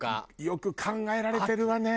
よく考えられてるわね。